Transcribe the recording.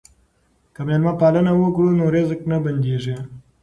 که مېلمه پالنه وکړو نو رزق نه بندیږي.